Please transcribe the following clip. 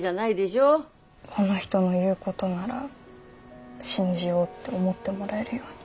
この人の言うことなら信じようって思ってもらえるように。